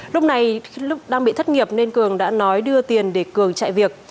lúc này lúc đang bị thất nghiệp nên cường đã nói đưa tiền để cường chạy việc